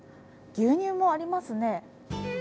牛乳もありますね。